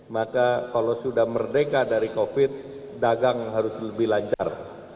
maka kalau sudah merdeka dari covid dagang harus lebih lancar